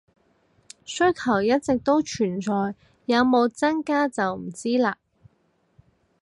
需求一直都存在，有冇增加就唔知喇